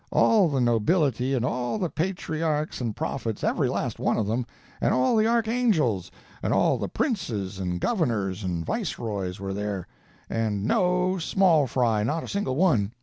All the nobility, and all the patriarchs and prophets—every last one of them—and all the archangels, and all the princes and governors and viceroys, were there,—and no small fry—not a single one.